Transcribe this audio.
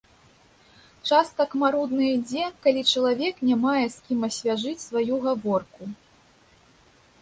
Час так марудна ідзе, калі чалавек не мае з кім асвяжыць сваю гаворку.